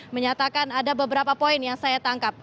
menyatakan ada beberapa poin yang saya tangkap